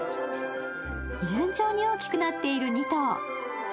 順調に大きくなっている２頭。